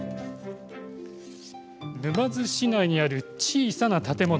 沼津市内にある小さな建物。